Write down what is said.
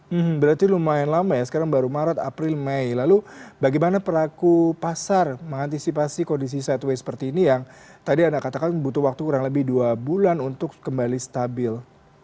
hmm berarti lumayan lama ya sekarang baru maret april mei lalu bagaimana peraku pasar mengantisipasi kondisi sideway seperti ini yang tadi anda katakan butuh waktu kurang lebih dua bulan untuk kembali stabil